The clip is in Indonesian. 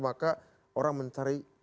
maka orang mencari